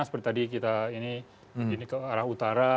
seperti tadi kita ini ke arah utara